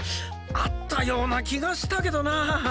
あったようなきがしたけどなあ。